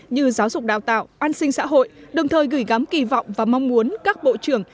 như giáo dục đào tạo an sinh xã hội đồng thời gửi gắm kỳ vọng và mong muốn các bộ trưởng